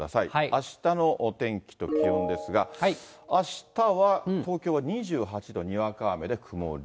あしたのお天気と気温ですが、あしたは、東京は２８度、にわか雨で曇り。